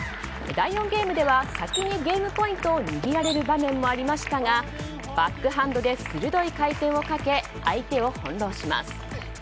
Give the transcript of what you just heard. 第４ゲームでは先にゲームポイントを握られる場面もありましたがバックハンドで鋭い回転をかけ相手を翻弄します。